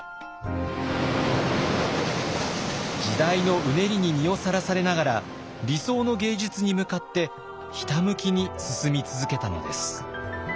時代のうねりに身をさらされながら理想の芸術に向かってひたむきに進み続けたのです。